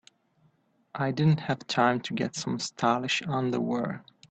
I didn't have time to get some stylish underwear.